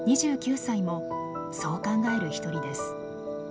２９歳もそう考える一人です。